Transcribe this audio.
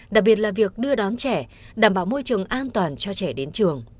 đặc biệt là việc đưa đón trẻ đảm bảo môi trường an toàn cho trẻ đến trường